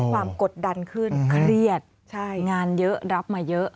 กดดันขึ้นเครียดงานเยอะรับมาเยอะ